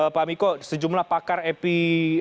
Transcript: pak miko sejumlah pakar epide